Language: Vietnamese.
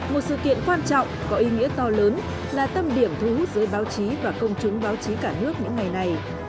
một sự kiện quan trọng có ý nghĩa to lớn là tâm điểm thu hút giới báo chí và công chúng báo chí cả nước những ngày này